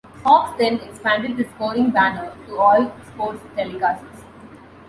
Fox then expanded the scoring banner to all sports telecasts.